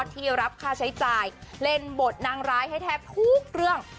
ที่รับค่าใช้จ่ายเล่นบทนางร้ายให้แทบทุกเรื่อง